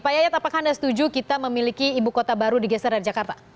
pak yayat apakah anda setuju kita memiliki ibu kota baru digeser dari jakarta